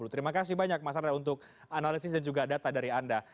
terima kasih banyak mas arda untuk analisis dan juga data dari anda